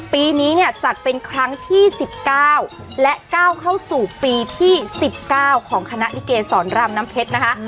ปีนี้เนี่ยจัดเป็นครั้งที่๑๙และก้าวเข้าสู่ปีที่๑๙ของคณะลิเกสรรามน้ำเพชรนะคะ